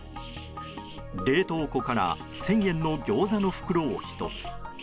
冷凍庫から１０００円のギョーザの袋を１つ。